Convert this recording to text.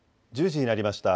１０時になりました。